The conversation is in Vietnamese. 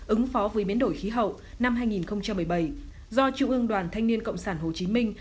ứng phó với biến đổi khí hậu năm hai nghìn một mươi bảy do trung ương đoàn thanh niên cộng sản hồ chí minh